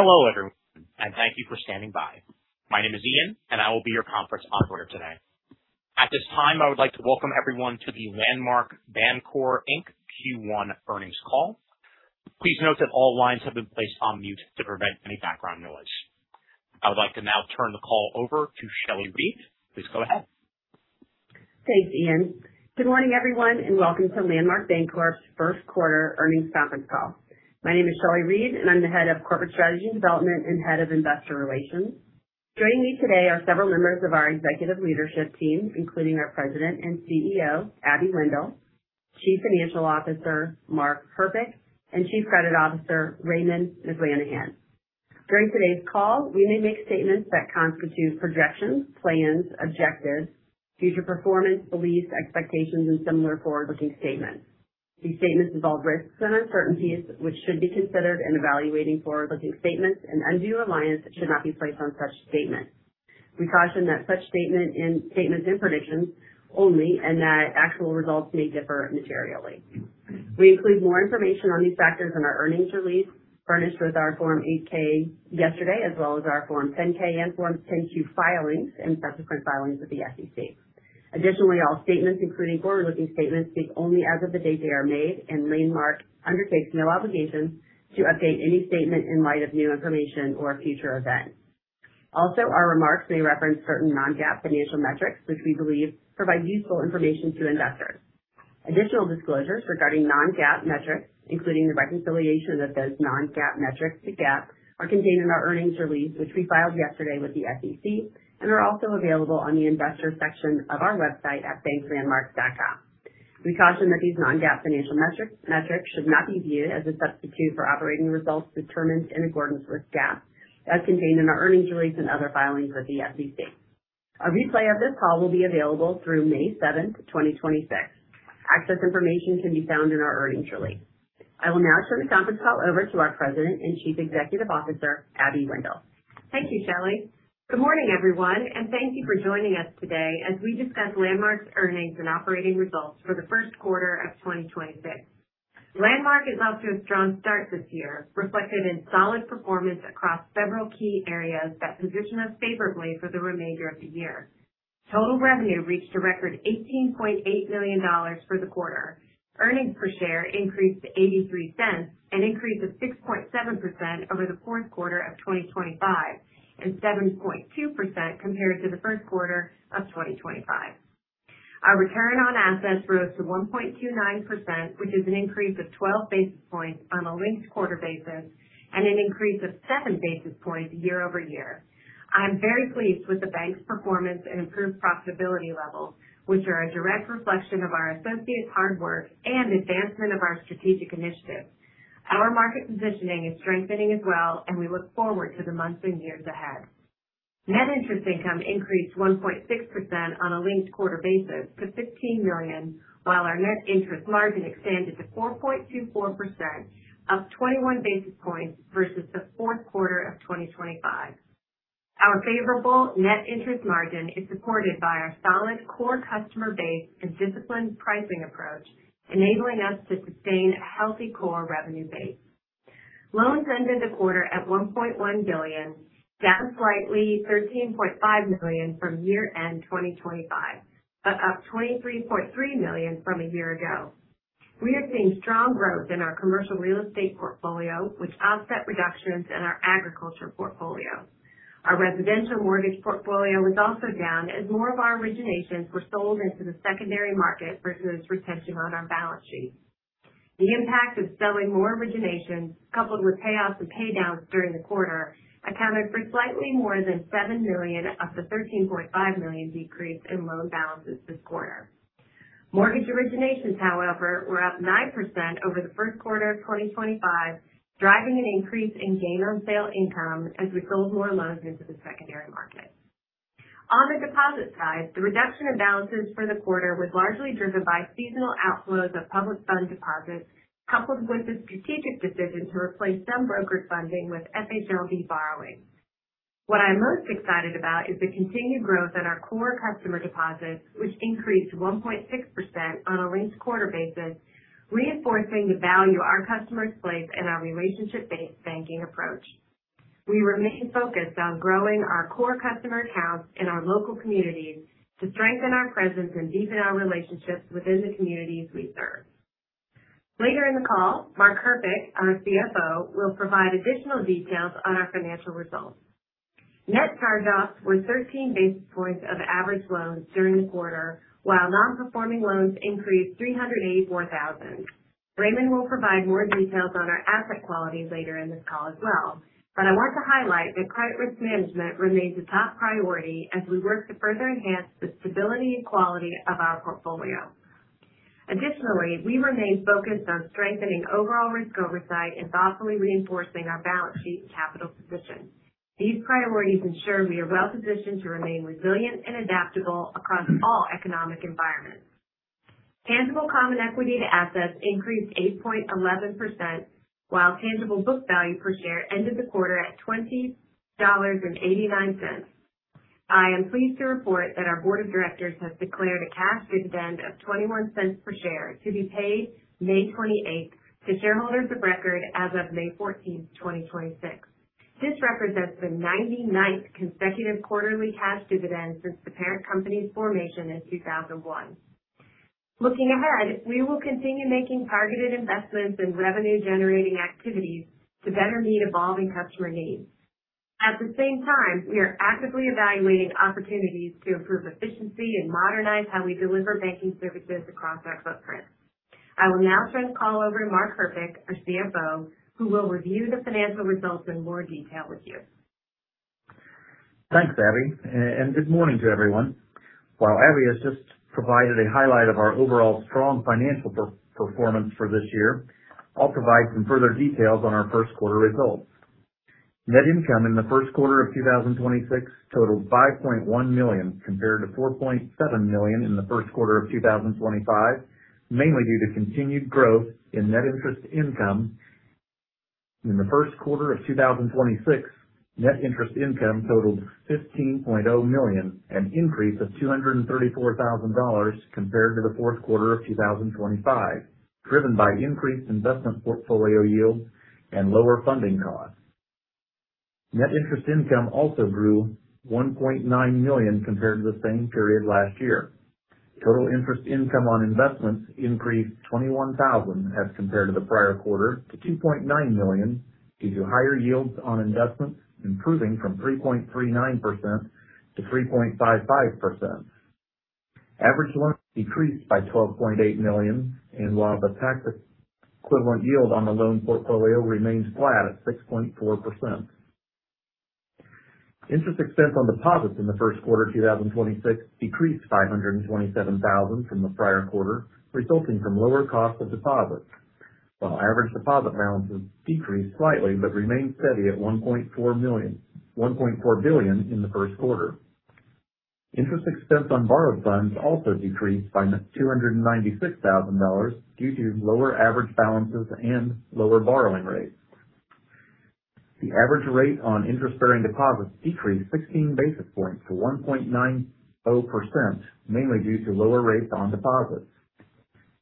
Hello, everyone, thank you for standing by. My name is Ian, I will be your conference operator today. At this time, I would like to welcome everyone to the Landmark Bancorp, Inc Q1 Earnings Call. Please note that all lines have been placed on mute to prevent any background noise. I would like to now turn the call over to Shelley Reed. Please go ahead. Thanks, Ian. Good morning, everyone, and welcome to Landmark Bancorp's first quarter earnings conference call. My name is Shelley Reed, and I'm the Head of Corporate Strategy and Development and Head of Investor Relations. Joining me today are several members of our executive leadership team, including our President and CEO, Abby Wendel; Chief Financial Officer, Mark Herpich; and Chief Credit Officer, Raymond McLanahan. During today's call, we may make statements that constitute projections, plans, objectives, future performance beliefs, expectations, and similar forward-looking statements. These statements involve risks and uncertainties which should be considered in evaluating forward-looking statements. Undue reliance should not be placed on such statements. We caution that such statements and predictions only, and that actual results may differ materially. We include more information on these factors in our earnings release furnished with our Form 8-K yesterday, as well as our Form 10-K and Form 10-Q filings and subsequent filings with the SEC. Additionally, all statements, including forward-looking statements, speak only as of the day they are made, and Landmark undertakes no obligation to update any statement in light of new information or future events. Our remarks may reference certain non-GAAP financial metrics which we believe provide useful information to investors. Additional disclosures regarding non-GAAP metrics, including the reconciliation of those non-GAAP metrics to GAAP, are contained in our earnings release, which we filed yesterday with the SEC and are also available on the investor section of our website at banklandmark.com. We caution that these non-GAAP financial metrics should not be viewed as a substitute for operating results determined in accordance with GAAP, as contained in our earnings release and other filings with the SEC. A replay of this call will be available through May 7, 2026. Access information can be found in our earnings release. I will now turn the conference call over to our President and Chief Executive Officer, Abby Wendel. Thank you, Shelley. Good morning, everyone, and thank you for joining us today as we discuss Landmark's earnings and operating results for the first quarter of 2026. Landmark is off to a strong start this year, reflected in solid performance across several key areas that position us favorably for the remainder of the year. Total revenue reached a record $18.8 million for the quarter. Earnings per share increased to $0.83, an increase of 6.7% over the fourth quarter of 2025, and 7.2% compared to the first quarter of 2025. Our return on assets rose to 1.29%, which is an increase of 12 basis points on a linked quarter basis and an increase of 7 basis points year-over-year. I am very pleased with the bank's performance and improved profitability levels, which are a direct reflection of our associates' hard work and advancement of our strategic initiatives. Our market positioning is strengthening as well, and we look forward to the months and years ahead. net interest income increased 1.6% on a linked quarter basis to $15 million, while our net interest margin expanded to 4.24%, up 21 basis points versus the fourth quarter of 2025. Our favorable net interest margin is supported by our solid core customer base and disciplined pricing approach, enabling us to sustain a healthy core revenue base. Loans ended the quarter at $1.1 billion, down slightly $13.5 million from year-end 2025, but up $23.3 million from a year ago. We are seeing strong growth in our commercial real estate portfolio, which offset reductions in our agriculture portfolio. Our residential mortgage portfolio was also down as more of our originations were sold into the secondary market versus retention on our balance sheet. The impact of selling more originations coupled with payoffs and pay downs during the quarter accounted for slightly more than $7 million of the $13.5 million decrease in loan balances this quarter. Mortgage originations, however, were up 9% over the first quarter of 2025, driving an increase in gain on sale income as we sold more loans into the secondary market. On the deposit side, the reduction in balances for the quarter was largely driven by seasonal outflows of public fund deposits, coupled with the strategic decision to replace some brokered funding with FHLB borrowing. What I'm most excited about is the continued growth in our core customer deposits, which increased 1.6% on a linked quarter basis, reinforcing the value our customers place in our relationship-based banking approach. We remain focused on growing our core customer accounts in our local communities to strengthen our presence and deepen our relationships within the communities we serve. Later in the call, Mark Herpich, our CFO, will provide additional details on our financial results. Net charge-offs were 13 basis points of average loans during the quarter, while non-performing loans increased $384,000. Raymond will provide more details on our asset quality later in this call as well, but I want to highlight that credit risk management remains a top priority as we work to further enhance the stability and quality of our portfolio. Additionally, we remain focused on strengthening overall risk oversight and thoughtfully reinforcing our balance sheet capital position. These priorities ensure we are well positioned to remain resilient and adaptable across all economic environments. Tangible common equity to assets increased 8.11%, while tangible book value per share ended the quarter at $20.89. I am pleased to report that our Board of Directors has declared a cash dividend of $0.21 per share to be paid May 28th to shareholders of record as of May 14th, 2026. This represents the 99th consecutive quarterly cash dividend since the parent company's formation in 2001. Looking ahead, we will continue making targeted investments in revenue generating activities to better meet evolving customer needs. At the same time, we are actively evaluating opportunities to improve efficiency and modernize how we deliver banking services across our footprint. I will now turn the call over to Mark Herpich, our CFO, who will review the financial results in more detail with you. Thanks, Abby, and good morning to everyone. While Abby has just provided a highlight of our overall strong financial performance for this year, I'll provide some further details on our first quarter results. Net income in the first quarter of 2026 totaled $5.1 million, compared to $4.7 million in the first quarter of 2025, mainly due to continued growth in net interest income. In the first quarter of 2026, net interest income totaled $15.0 million, an increase of $234,000 compared to the fourth quarter of 2025, driven by increased investment portfolio yields and lower funding costs. Net interest income also grew $1.9 million compared to the same period last year. Total interest income on investments increased $21,000 as compared to the prior quarter to $2.9 million due to higher yields on investments improving from 3.39% to 3.55%. Average loans decreased by $12.8 million, and while the tax equivalent yield on the loan portfolio remains flat at 6.4%. Interest expense on deposits in the first quarter of 2026 decreased $527,000 from the prior quarter, resulting from lower cost of deposits. While average deposit balances decreased slightly but remained steady at $1.4 billion in the first quarter. Interest expense on borrowed funds also decreased by $296,000 due to lower average balances and lower borrowing rates. The average rate on interest-bearing deposits decreased 16 basis points to 1.90%, mainly due to lower rates on deposits.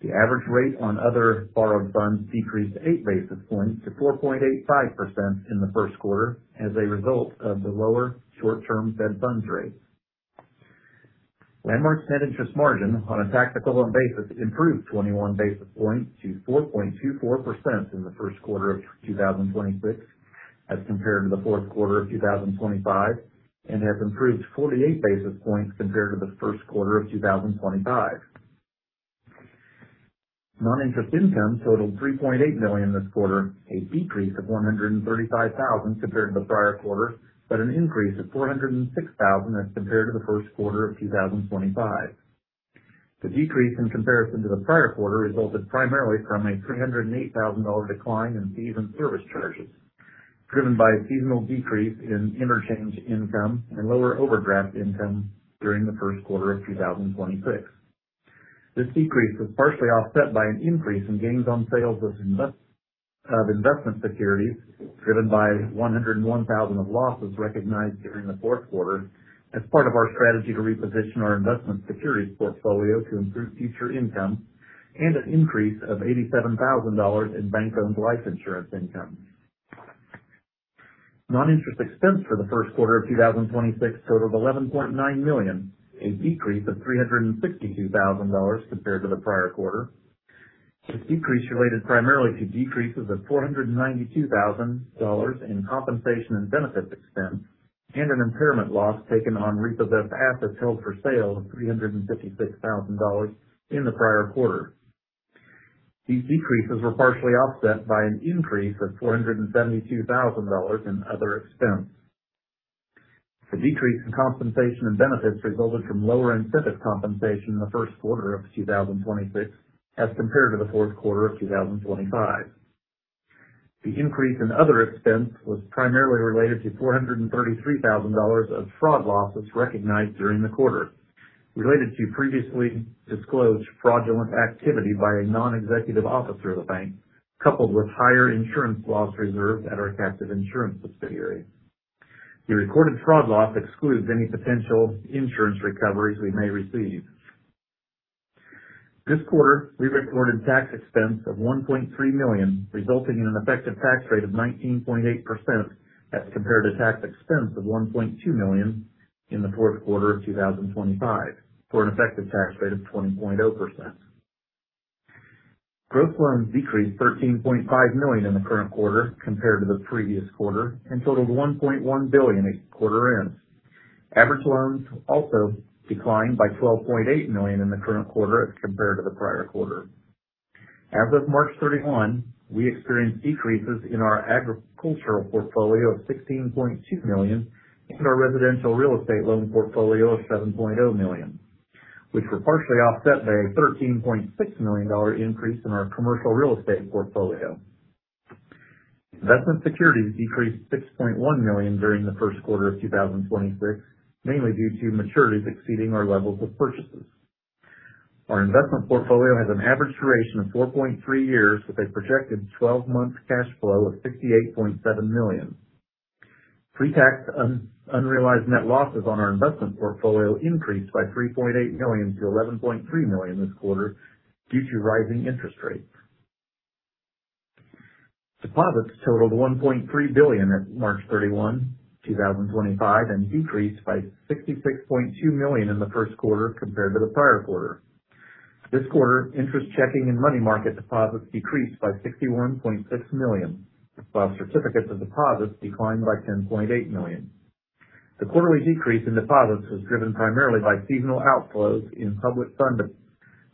The average rate on other borrowed funds decreased 8 basis points to 4.85% in the first quarter as a result of the lower short-term Fed funds rate. Landmark's net interest margin on a tax equivalent basis improved 21 basis points to 4.24% in the first quarter of 2026 as compared to the fourth quarter of 2025, and has improved 48 basis points compared to the first quarter of 2025. Non-interest income totaled $3.8 million this quarter, a decrease of $135,000 compared to the prior quarter, but an increase of $406,000 as compared to the first quarter of 2025. The decrease in comparison to the prior quarter resulted primarily from a $308,000 decline in fees and service charges, driven by a seasonal decrease in interchange income and lower overdraft income during the first quarter of 2026. This decrease was partially offset by an increase in gains on sales of investment securities, driven by $101,000 of losses recognized during the fourth quarter as part of our strategy to reposition our investment securities portfolio to improve future income and an increase of $87,000 in bank-owned life insurance income. Non-interest expense for the first quarter of 2026 totaled $11.9 million, a decrease of $362,000 compared to the prior quarter. This decrease related primarily to decreases of $492,000 in compensation and benefits expense and an impairment loss taken on repurchased assets held for sale of $356,000 in the prior quarter. These decreases were partially offset by an increase of $472,000 in other expense. The decrease in compensation and benefits resulted from lower incentive compensation in the first quarter of 2026 as compared to the fourth quarter of 2025. The increase in other expense was primarily related to $433,000 of fraud losses recognized during the quarter related to previously disclosed fraudulent activity by a non-executive officer of the bank, coupled with higher insurance loss reserves at our captive insurance subsidiary. The recorded fraud loss excludes any potential insurance recoveries we may receive. This quarter, we recorded tax expense of $1.3 million, resulting in an effective tax rate of 19.8% as compared to tax expense of $1.2 million in the fourth quarter of 2025 for an effective tax rate of 20.0%. Gross loans decreased $13.5 million in the current quarter compared to the previous quarter and totaled $1.1 billion at quarter end. Average loans also declined by $12.8 million in the current quarter as compared to the prior quarter. As of March 31, we experienced decreases in our agricultural portfolio of $16.2 million and our residential real estate loan portfolio of $7.0 million, which were partially offset by a $13.6 million increase in our commercial real estate portfolio. Investment securities decreased $6.1 million during the first quarter of 2026, mainly due to maturities exceeding our levels of purchases. Our investment portfolio has an average duration of 4.3 years with a projected 12-month cash flow of $68.7 million. Pre-tax unrealized net losses on our investment portfolio increased by $3.8 million to $11.3 million this quarter due to rising interest rates. Deposits totaled $1.3 billion at March 31, 2025, and decreased by $66.2 million in the first quarter compared to the prior quarter. This quarter, interest checking and money market deposits decreased by $61.6 million, while certificates of deposits declined by $10.8 million. The quarterly decrease in deposits was driven primarily by seasonal outflows in public funding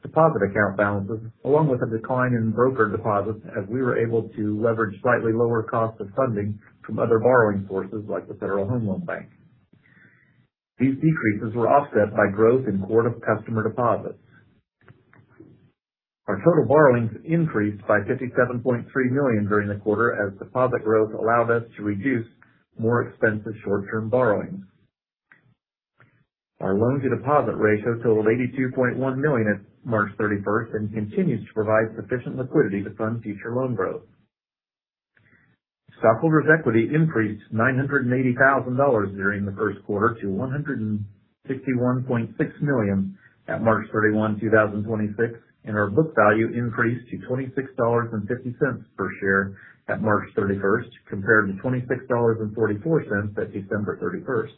deposit account balances, along with a decline in broker deposits as we were able to leverage slightly lower costs of funding from other borrowing sources like the Federal Home Loan Bank. These decreases were offset by growth in quarter customer deposits. Our total borrowings increased by $57.3 million during the quarter as deposit growth allowed us to reduce more expensive short-term borrowings. Our loan-to-deposit ratio totaled 82.1% at March 31st and continues to provide sufficient liquidity to fund future loan growth. Stockholders' equity increased $980,000 during the first quarter to $161.6 million at March 31, 2026, and our book value increased to $26.50 per share at March 31, compared to $26.44 at December 31.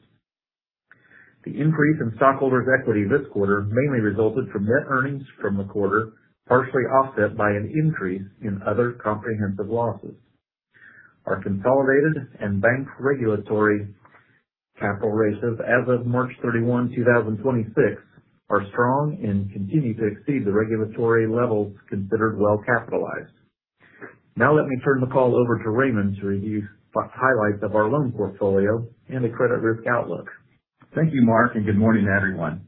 The increase in stockholders' equity this quarter mainly resulted from net earnings from the quarter, partially offset by an increase in other comprehensive losses. Our consolidated and bank regulatory capital ratios as of March 31, 2026 are strong and continue to exceed the regulatory levels considered well capitalized. Now let me turn the call over to Raymond to review highlights of our loan portfolio and the credit risk outlook. Thank you, Mark. Good morning, everyone.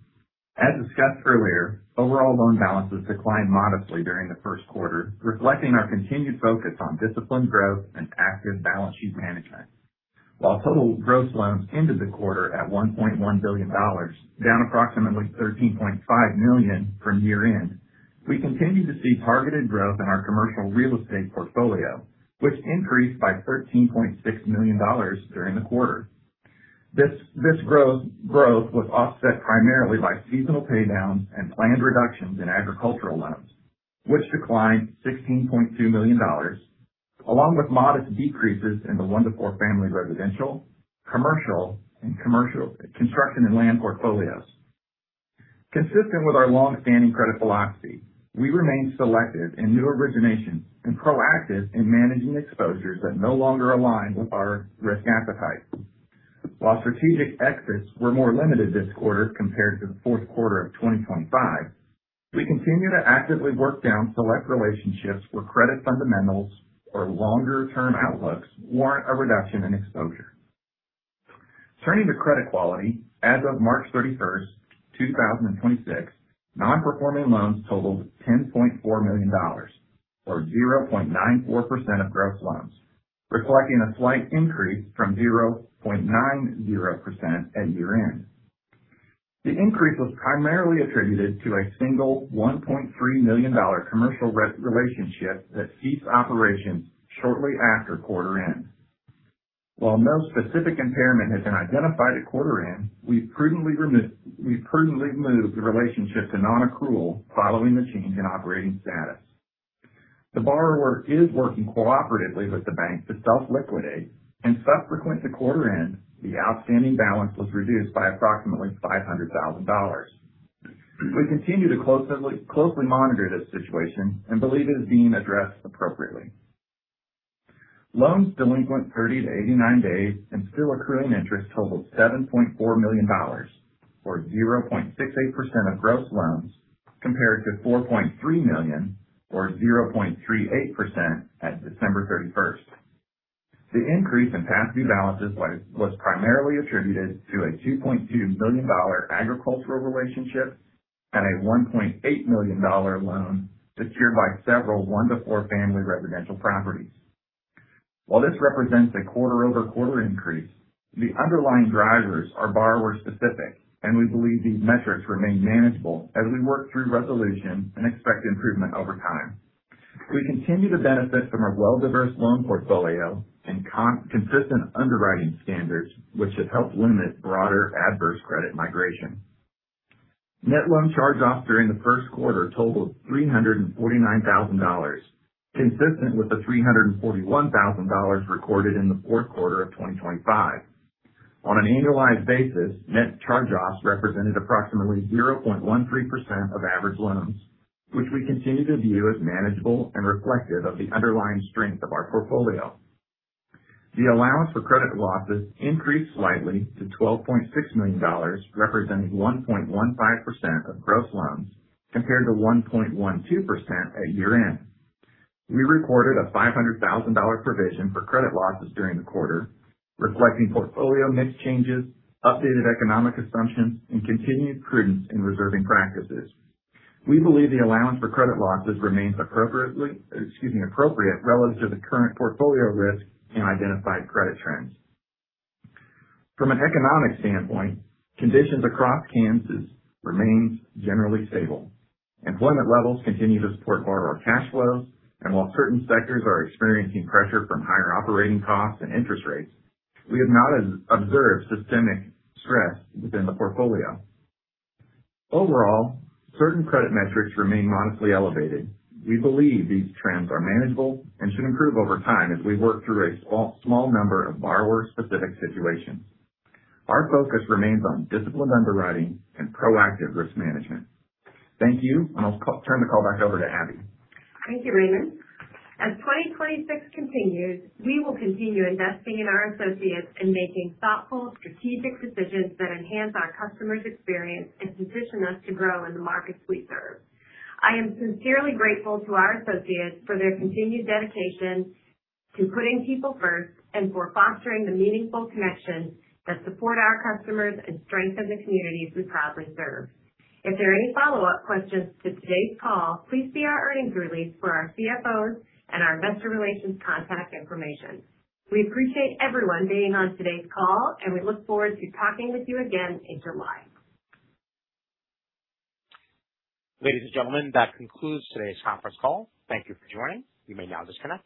As discussed earlier, overall loan balances declined modestly during the first quarter, reflecting our continued focus on disciplined growth and active balance sheet management. While total gross loans ended the quarter at $1.1 billion, down approximately $13.5 million from year-end, we continue to see targeted growth in our commercial real estate portfolio, which increased by $13.6 million during the quarter. This growth was offset primarily by seasonal paydowns and planned reductions in agricultural loans, which declined $16.2 million, along with modest decreases in the 1-4 family residential, commercial, and commercial construction and land portfolios. Consistent with our longstanding credit philosophy, we remain selective in new originations and proactive in managing exposures that no longer align with our risk appetite. While strategic exits were more limited this quarter compared to the fourth quarter of 2025, we continue to actively work down select relationships where credit fundamentals or longer term outlooks warrant a reduction in exposure. Turning to credit quality, as of March 31st, 2026, non-performing loans totaled $10.4 million, or 0.94% of gross loans, reflecting a slight increase from 0.90% at year-end. The increase was primarily attributed to a single $1.3 million commercial relationship that ceased operations shortly after quarter end. While no specific impairment has been identified at quarter end, we've prudently moved the relationship to non-accrual following the change in operating status. The borrower is working cooperatively with the bank to self-liquidate. Subsequent to quarter end, the outstanding balance was reduced by approximately $500,000. We continue to closely monitor this situation and believe it is being addressed appropriately. Loans delinquent 30 to 89 days and still accruing interest totaled $7.4 million, or 0.68% of gross loans, compared to $4.3 million, or 0.38% at December 31st. The increase in past due balances was primarily attributed to a $2.2 million agricultural relationship and a $1.8 million loan secured by several 1-4 family residential properties. While this represents a quarter-over-quarter increase, the underlying drivers are borrower specific. We believe these metrics remain manageable as we work through resolution and expect improvement over time. We continue to benefit from our well-diverse loan portfolio and consistent underwriting standards, which have helped limit broader adverse credit migration. Net loans charged off during the first quarter totaled $349,000, consistent with the $341,000 recorded in the fourth quarter of 2025. On an annualized basis, net charge-offs represented approximately 0.13% of average loans, which we continue to view as manageable and reflective of the underlying strength of our portfolio. The allowance for credit losses increased slightly to $12.6 million, representing 1.15% of gross loans compared to 1.12% at year-end. We recorded a $500,000 provision for credit losses during the quarter, reflecting portfolio mix changes, updated economic assumptions, and continued prudence in reserving practices. We believe the allowance for credit losses remains appropriately appropriate relative to the current portfolio risk and identified credit trends. From an economic standpoint, conditions across Kansas remains generally stable. Employment levels continue to support borrower cash flows, and while certain sectors are experiencing pressure from higher operating costs and interest rates, we have not observed systemic stress within the portfolio. Overall, certain credit metrics remain modestly elevated. We believe these trends are manageable and should improve over time as we work through a small number of borrower-specific situations. Our focus remains on disciplined underwriting and proactive risk management. Thank you, and I'll turn the call back over to Abby. Thank you, Raymond. As 2026 continues, we will continue investing in our associates in making thoughtful, strategic decisions that enhance our customers' experience and position us to grow in the markets we serve. I am sincerely grateful to our associates for their continued dedication to putting people first and for fostering the meaningful connections that support our customers and strengthen the communities we proudly serve. If there are any follow-up questions to today's call, please see our earnings release for our CFO and our investor relations contact information. We appreciate everyone being on today's call, and we look forward to talking with you again in July. Ladies and gentlemen, that concludes today's conference call. Thank you for joining. You may now disconnect.